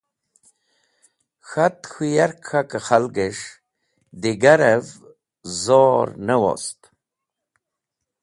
K̃hat k̃hũ yak k̃hakẽ khalgẽs̃h digarẽv zor ne wust